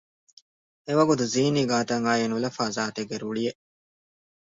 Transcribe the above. އެވަގުތު ޒީނީ ގާތަށް އައީ ނުލަފާ ޒާތެއްގެ ރުޅިއެއް